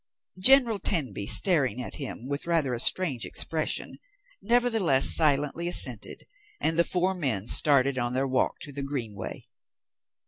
General Tenby, staring at him with rather a strange expression, nevertheless silently assented, and the four men started on their walk to the green way.